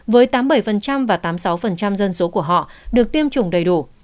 với tám mươi bảy và tám mươi sáu dân số của họ được tiêm chủng đầy đủ